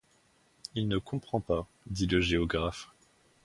Il ne comprend pas, dit le géographe.